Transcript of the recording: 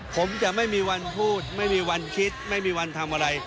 ผมจะไม่มีวันพูดไม่มีวันคิดไม่มีวันทำอะไร